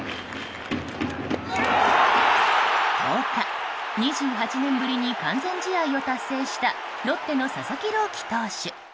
１０日、２８年ぶりに完全試合を達成したロッテの佐々木朗希投手。